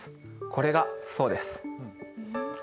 これがそうです。